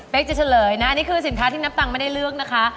เป็นจะเฉลยนะอันนี้คือสินค้าที่นับตังค์ไม่ได้เลือกนะคะ